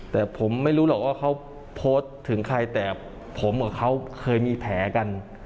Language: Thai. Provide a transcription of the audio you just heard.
แต่ผมไม่รู้หรอกว่าเขาโพสต์ถึงใครแต่ผมกับเขาเคยมีแผลกัน